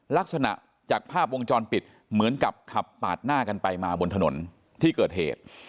ลักษณะจากภาพวงจรปิดเหมือนกับขับปาดหน้ากันไปมาบนถนนที่เกิดเหตุ